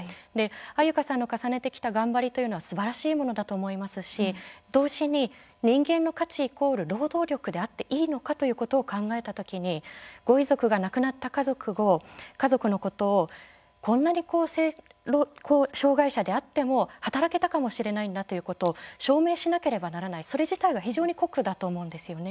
安優香さんの重ねてきた頑張りというのはすばらしいものだと思いますし同時に、人間の価値イコール労働力であっていいのかということを考えたときにご遺族が亡くなった家族のことをこんなに、障害者であっても働けたかもしれないんだということを証明しなければならない、それ自体が非常に酷だと思うんですよね。